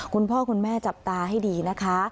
คุณพ่อคุณแม่จับตาให้ดีนะคะ